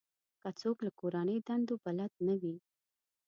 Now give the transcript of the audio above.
که څوک له کورنۍ دندو بلد نه وي.